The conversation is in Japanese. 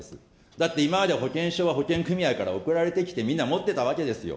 だって今までは保険証は保険組合から送られてきてみんな持ってたわけですよ。